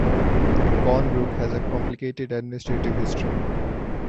Colnbrook has a complicated administrative history.